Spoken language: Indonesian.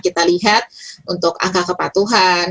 kita lihat untuk angka kepatuhan